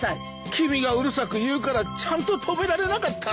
君がうるさく言うからちゃんと止められなかったんだ。